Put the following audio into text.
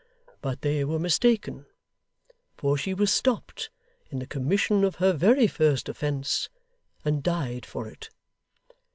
But they were mistaken; for she was stopped in the commission of her very first offence, and died for it.